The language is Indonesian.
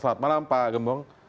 selamat malam pak gembong